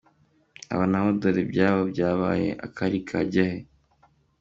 Aba nabo dore ibyabo byabaye akari ahja kajya he!